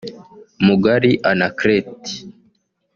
Mugali Anaclet